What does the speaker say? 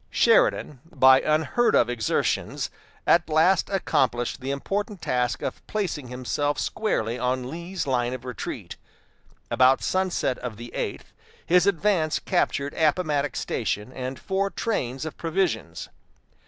Sheridan, by unheard of exertions, at last accomplished the important task of placing himself squarely on Lee's line of retreat. About sunset of the eighth, his advance captured Appomattox Station and four trains of provisions.